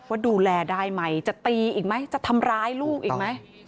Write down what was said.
ว่าดูแลได้ไหมจะตีอีกไหมจะทำร้ายลูกอีกไหม